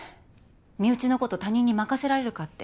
身内のこと他人に任せられるかって。